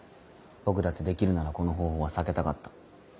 僕だってできるならこの方法は避けたかった。